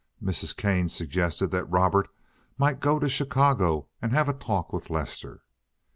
Mrs. Kane suggested that Robert might go to Chicago and have a talk with Lester.